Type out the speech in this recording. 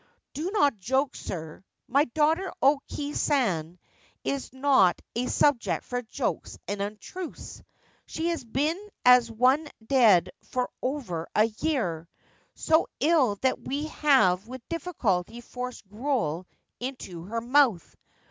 * Do not joke, sir ! My daughter O Kei San is not a subject for jokes and untruths. She has been as one dead for over a year — so ill that we have with difficulty forced gruel into her mouth.